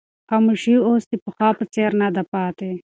خاموشي اوس د پخوا په څېر نه ده پاتې.